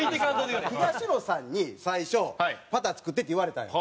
東野さんに最初パター作ってって言われたんよ。